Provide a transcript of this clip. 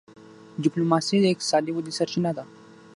ډيپلوماسي د اقتصادي ودي سرچینه ده.